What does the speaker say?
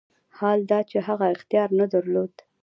حال دا چې هغه اختیار نه درلود.